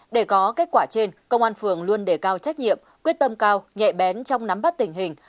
để có kết quả trên công an phường luôn đề cao trách nhiệm quyết tâm cao nhẹ bén trong nắm bắt tình hình